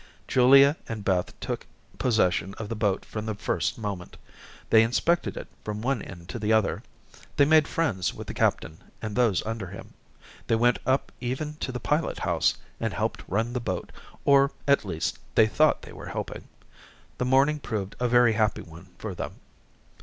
Julia and Beth took possession of the boat from the first moment. They inspected it from one end to the other. They made friends with the captain and those under him. They went up even to the pilot house and helped run the boat, or, at least, they thought they were helping. The morning proved a very happy one for them.